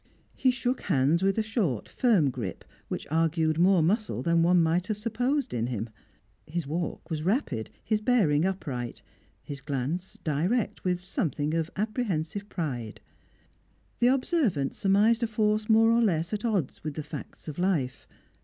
He shook hands with a short, firm grip which argued more muscle than one might have supposed in him. His walk was rapid; his bearing upright; his glance direct, with something of apprehensive pride. The observant surmised a force more or less at odds with the facts of life.